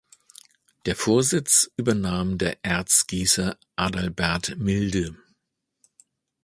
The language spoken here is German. Der Vorsitz übernahm der Erzgießer Adalbert Milde.